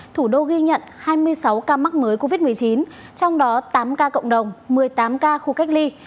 thủ đô ghi nhận hai mươi sáu ca mắc mới covid một mươi chín trong đó tám ca cộng đồng một mươi tám ca khu cách ly